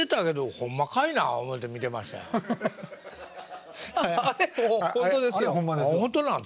ほんとです。